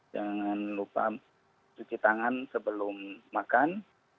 jangan lupa cuci tangan sebelum makan